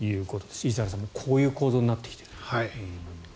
石原さん、こういう構造になってきていると。